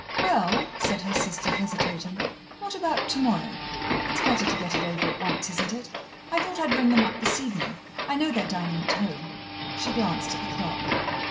"Well," said her sister, hesitating, "what about tomorrow? It's better to get it over at once, isn't it? I thought I'd ring them up this evening I know they're dining at home." She glanced at the clock.